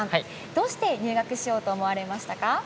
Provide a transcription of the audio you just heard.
どうして入学しようと思われましたか？